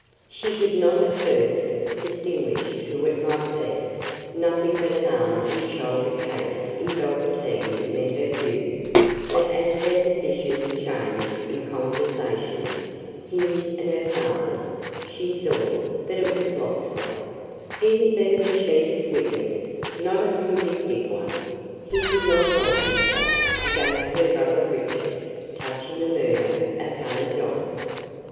She could not at first distinguish who it might be, nothing but an arm and shoulder cased in velveteen met her view, but as their positions changed in conversation his and her father's she saw that it was Locksley; he had been the chief witness, not a vindictive one; he could not help himself, against her brother Richard, touching the murder of Hallijohn.